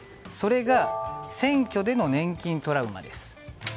それが選挙での年金トラウマです。